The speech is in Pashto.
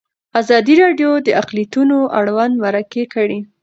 ازادي راډیو د اقلیتونه اړوند مرکې کړي.